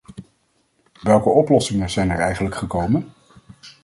Welke oplossingen zijn er eigenlijk gekomen?